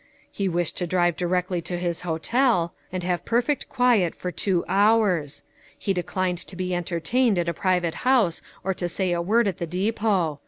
a He wished to drive directly to his hotel, and have perfect quiet for two hours. He declined to be entertained at a pri vate house, or to say a word at the depot.